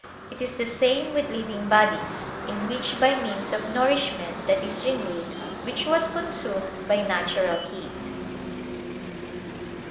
It is the same with living bodies, in which by means of nourishment that is renewed which was consumed by natural heat.